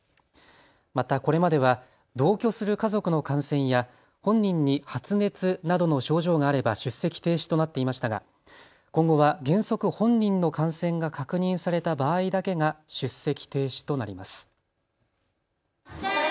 また、これまでは同居する家族の感染や本人に発熱などの症状があれば出席停止となっていましたが今後は原則、本人の感染が確認された場合だけが出席停止となります。